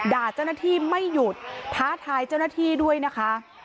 ด่าเจ้าหน้าที่ไม่หยุดท้าทายเจ้าหน้าที่ด้วยนะคะ